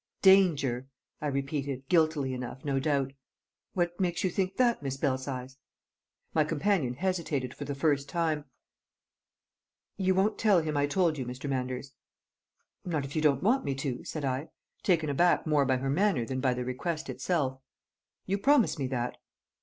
"Danger!" I repeated, guiltily enough, no doubt. "What makes you think that, Miss Belsize?" My companion hesitated for the first time. "You won't tell him I told you, Mr. Manders?" "Not if you don't want me to," said I, taken aback more by her manner than by the request itself. "You promise me that?"